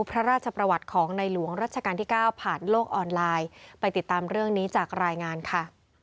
พระราชประวัติของในหลวงรัชกาลที่๙ผ่านโลกออนไลน์ไปติดตามเรื่องนี้จากรายงานค่ะ